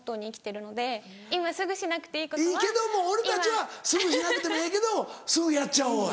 いいけども俺たちはすぐしなくてもええけどすぐやっちゃおうや。